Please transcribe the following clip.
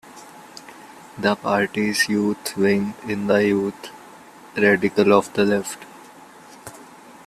The party's youth wing is the Young Radicals of the Left.